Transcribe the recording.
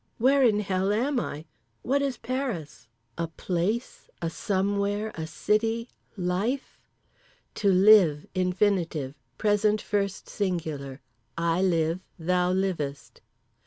Where in Hell am I? What is Paris—a place, a somewhere, a city, life; (to live: infinitive. Present first singular: I live. Thou livest).